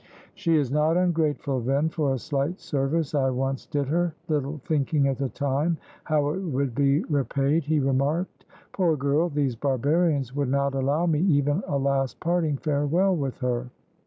"She is not ungrateful, then, for a slight service I once did her, little thinking at the time how it would be repaid," he remarked. "Poor girl, these barbarians would not allow me even a last parting farewell with her."